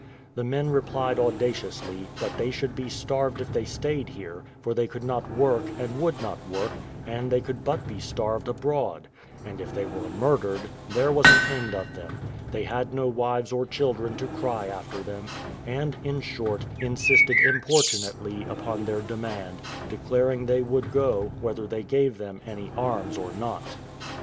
The men replied audaciously, they should be starved if they stayed here, for they could not work, and would not work, and they could but be starved abroad; and if they were murdered, there was an end of them; they had no wives or children to cry after them; and, in short, insisted importunately upon their demand, declaring they would go, whether they gave them any arms or not.